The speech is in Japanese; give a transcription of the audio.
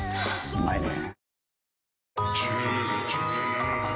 うまいねぇ。